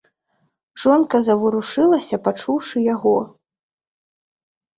Жонка заварушылася, пачуўшы яго.